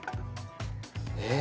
えっ。